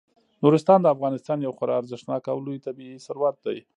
نورستان د افغانستان یو خورا ارزښتناک او لوی طبعي ثروت دی.